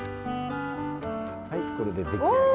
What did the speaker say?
はいこれでできあがり。